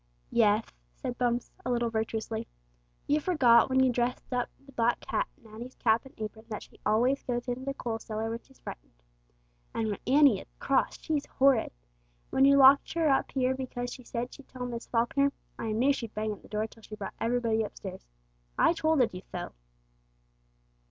"Yeth," said Bumps a little virtuously. "You forgot when you dressed up the black cat in Annie's cap and apron that she alwayth goes in the coal cellar when she's frightened. And when Annie is croth, she's horrid! When you locked her up here becauth she said she'd tell Miss Falkner, I knew she'd bang at the door till she brought everybody up stairs. I tolded you tho."